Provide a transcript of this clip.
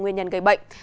nguyên nhân gây bệnh